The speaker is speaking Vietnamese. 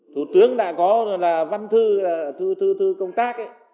thủ tướng đã có là văn thư công tác